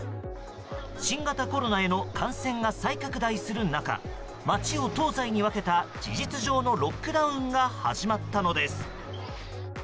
新型コロナへの感染が再拡大する中街を東西に分けた事実上のロックダウンが始まったのです。